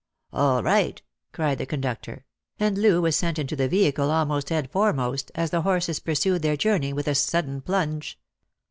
" All right !" cried the conductor ; and Loo was sent into the vehicle almost head foremost, as the horses pursued their journey with a sudden plunge.